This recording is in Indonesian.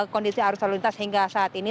kondisi arus lalu lintas hingga saat ini